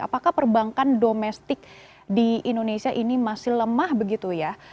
apakah perbankan domestik di indonesia ini masih lemah begitu ya